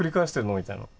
みたいな。